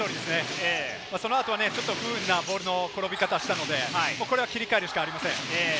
その後は不運なボールの転び方をしたので、切り替えるしかありません。